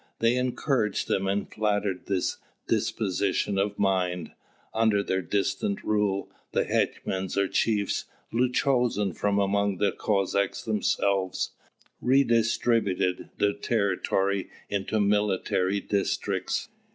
They encouraged them and flattered this disposition of mind. Under their distant rule, the hetmans or chiefs, chosen from among the Cossacks themselves, redistributed the territory into military districts.